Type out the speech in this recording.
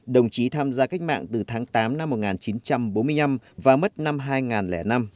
đồng chí tham gia cách mạng từ tháng tám năm một nghìn chín trăm bốn mươi năm và mất năm hai nghìn năm